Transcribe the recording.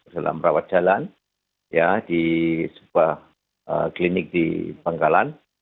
dalam rawat jalan di sebuah klinik di bangkalan